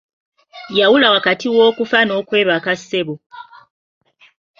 Yawula wakati w'okufa n'okwebaka ssebo.